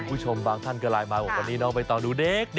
คุณผู้ชมบางท่านก็ไลน์มาบอกวันนี้น้องใบตองดูเด็ก